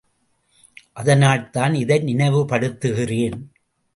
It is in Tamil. அதனால்தான் இதை நினைவு படுத்துகிறேன்.